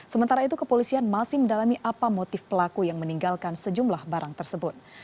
sementara itu kepolisian masih mendalami apa motif pelaku yang meninggalkan sejumlah barang tersebut